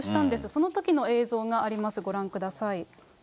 そのときの映像があります、ご覧ください。